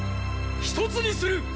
一つにする！